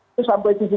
itu sampai tujuh kali